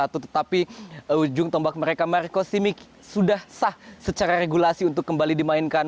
tetapi ujung tombak mereka marco simic sudah sah secara regulasi untuk kembali dimainkan